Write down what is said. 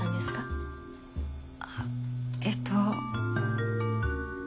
あえっと。